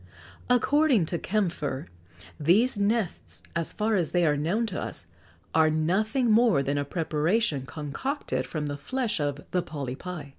According to Kœmpfer, these nests, so far as they are known to us, are nothing more than a preparation concocted from the flesh of the polypi.